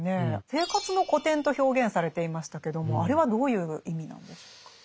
「生活の古典」と表現されていましたけどもあれはどういう意味なんでしょうか。